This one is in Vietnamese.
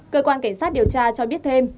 cơ quan cảnh sát điều tra cho biết thêm